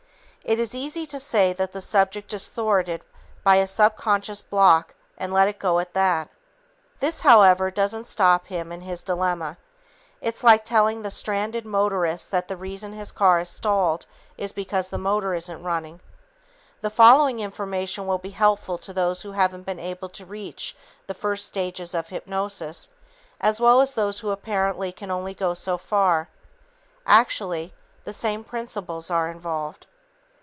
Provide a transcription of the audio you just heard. It is easy to say that the subject is thwarted by a subconscious block and let it go at that. This, however, doesn't help him in his dilemma. It's like telling the stranded motorist that the reason his car has stalled is because the motor isn't running. The following information will be helpful to those who haven't been able to reach the first stages of hypnosis, as well as those who apparently can go only so far. Actually, the same principles are involved.